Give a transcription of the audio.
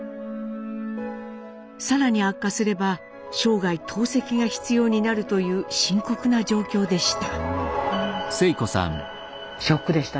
更に悪化すれば生涯透析が必要になるという深刻な状況でした。